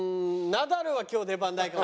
ナダルは今日出番ないかも。